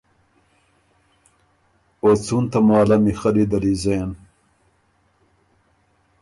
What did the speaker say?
او څُون تماله میخلّي دل دی زېن؟“